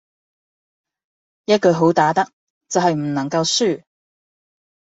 一句好打得就是不能輸